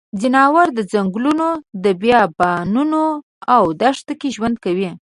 ځناور د ځنګلونو، بیابانونو او دښته کې ژوند کوي.